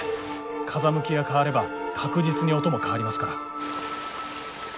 風向きが変われば確実に音も変わりますから。